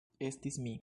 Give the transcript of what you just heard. Estis mi.